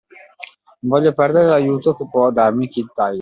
Non voglio perdere l'aiuto che può darmi Kid Tiger